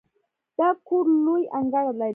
دا کور لوی انګړ لري.